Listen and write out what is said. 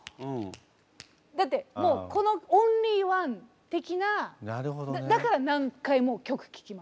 だってもうこのオンリーワン的なだから何回も曲聴きます。